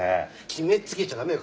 決めつけちゃ駄目よ